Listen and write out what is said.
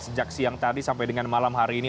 sejak siang tadi sampai dengan malam hari ini